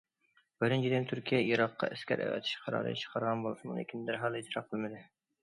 بىرىنچىدىن، تۈركىيە ئىراققا ئەسكەر ئەۋەتىش قارارى چىقارغان بولسىمۇ، لېكىن دەرھال ئىجرا قىلمىدى.